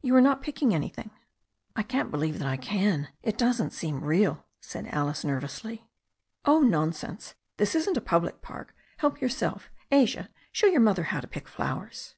You are not picking an3rthing." *1 can't believe that I can. It doesn't seem real/' said Alice nervously. "Oh, nonsense ! This isn't a public park. Help yourself. Asia, show your mother how to pick flowers."